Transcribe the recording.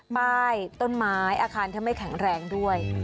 ป้ายต้นไม้อาคารถ้าไม่แข็งแรงด้วย